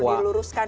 perlu diluruskan ya